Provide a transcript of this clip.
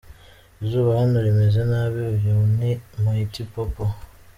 Izuba hano rimeze nabi, uyu ni Mighty Popo.